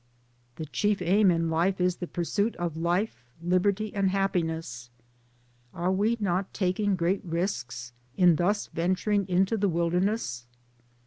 '" "The chief aim in life is the pursuit of life, liberty, and happiness." Are we not taking great risks, in thus venturing into the wilder ness